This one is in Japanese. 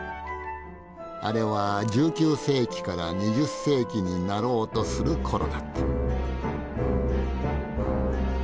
あれは１９世紀から２０世紀になろうとする頃だった。